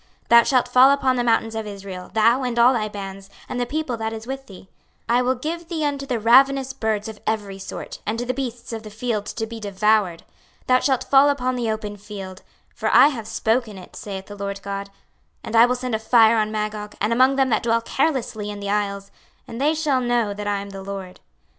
26:039:004 Thou shalt fall upon the mountains of Israel, thou, and all thy bands, and the people that is with thee: I will give thee unto the ravenous birds of every sort, and to the beasts of the field to be devoured. 26:039:005 Thou shalt fall upon the open field: for I have spoken it, saith the Lord GOD. 26:039:006 And I will send a fire on Magog, and among them that dwell carelessly in the isles: and they shall know that I am the LORD.